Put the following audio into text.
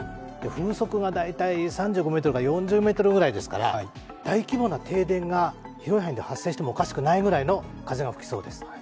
風速が大体３５メートルから４０メートルですから、大規模な停電が広い範囲で発生してもおかしくないぐらいの風が吹きそうです。